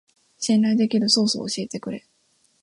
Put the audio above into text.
信頼できるソースを教えてくれ